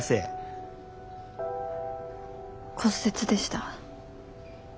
骨折でした。